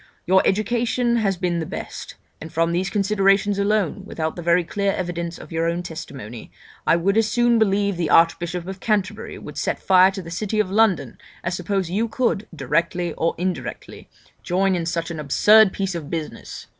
Your education has been the best; and from these considerations alone, without the very clear evidence of your own testimony, I would as soon believe the Archbishop of Canterbury would set fire to the city of London as suppose you could, directly or indirectly, join in such a d d absurd piece of business.